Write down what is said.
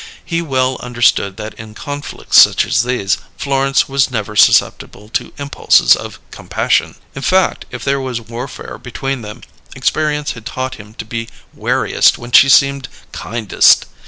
He well understood that in conflicts such as these Florence was never susceptible to impulses of compassion; in fact, if there was warfare between them, experience had taught him to be wariest when she seemed kindest.